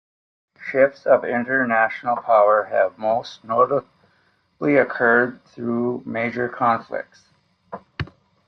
Shifts of international power have most notably occurred through major conflicts.